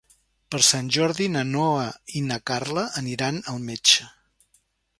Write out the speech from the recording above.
Per Sant Jordi na Noa i na Carla aniran al metge.